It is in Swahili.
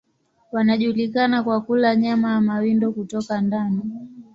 Wanajulikana kwa kula nyama ya mawindo kutoka ndani.